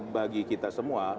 bagi kita semua